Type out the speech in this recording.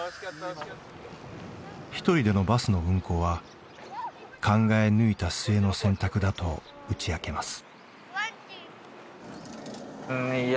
１人でのバスの運行は考え抜いた末の選択だと打ち明けます。